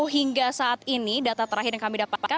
hingga saat ini data terakhir yang kami dapatkan